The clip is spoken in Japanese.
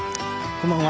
こんばんは。